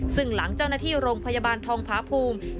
ซึ่งหลังเจ้าหน้าที่โรงพยาบาลทองพาภูมิ